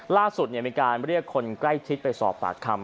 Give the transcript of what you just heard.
ล่าสุดมีการเรียกคนใกล้ชิดไปสอบปากคำ